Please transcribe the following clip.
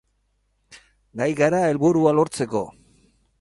Gai gara helburua lortzeko.